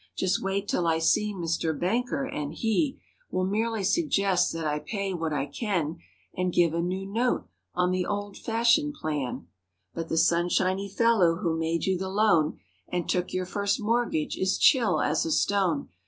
"Just wait 'till I see Mister Banker and he Will merely suggest that I pay what I can And give a new note on the old fashioned plan." 20 But the sunshiny fellow who made you the loan And took your "First Mortgage" is chill as a stone.